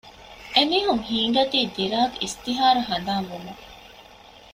އެމީހުން ހީނގަތީ ދިރާގް އިސްތިހާރު ހަނދާން ވުމުން